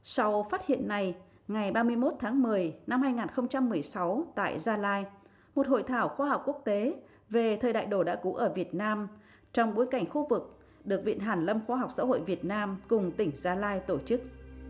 sau phát hiện này ngày ba mươi một tháng một mươi năm hai nghìn một mươi sáu tại gia lai một hội thảo khoa học quốc tế về thời đại đồ đã cũ ở việt nam trong bối cảnh khu vực được viện hàn lâm khoa học xã hội việt nam cùng tỉnh gia lai tổ chức